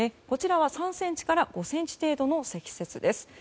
こちらは３ｃｍから５ｃｍ程度の積雪です。